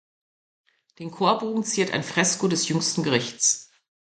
Den Chorbogen ziert ein Fresko des Jüngsten Gerichts.